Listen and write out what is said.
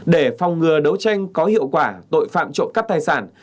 để phòng ngừa đấu tranh có hiệu quả tội phạm trộm cắp tài sản